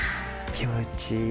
気持ちいい。